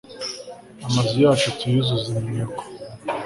amazu yacu tuyuzuze iminyago